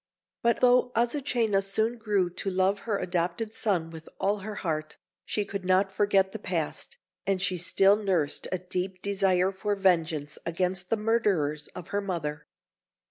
But, though Azucena soon grew to love her adopted son with all her heart, she could not forget the past, and she still nursed a deep desire for vengeance against the murderers of her mother.